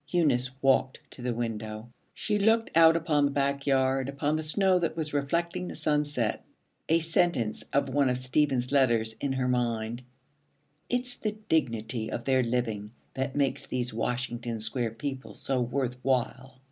Eunice walked to the window. She looked out upon the backyard, upon the snow that was reflecting the sunset, a sentence of one of Stephen's letters in her mind. 'It's the dignity of their living that makes these Washington Square people so worth while.'